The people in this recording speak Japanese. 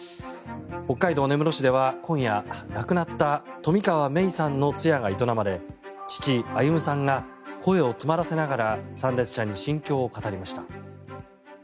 北海道根室市では今夜、亡くなった冨川芽生さんの通夜が営まれ父・歩さんが声を詰まらせながら参列者に心境を語りました。